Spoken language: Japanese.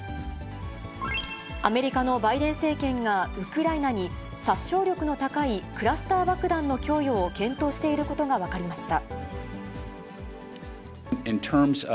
アメリカのバイデン政権がウクライナに、殺傷力の高いクラスター爆弾の供与を検討していることが分かりました。